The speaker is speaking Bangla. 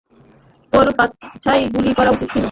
তোর পাছায় গুলি করা উচিত ছিল!